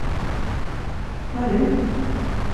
Vad nu?